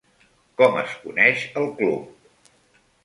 Com es coneix el club?